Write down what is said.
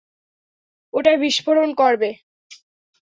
ওটায় বিস্ফোরণ করবে?